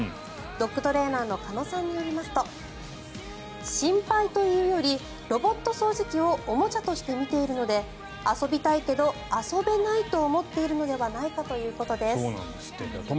ドッグトレーナーの鹿野さんによりますと心配というよりロボット掃除機をおもちゃとして見ているので遊びたいけど遊べないと思っているのではないかということです。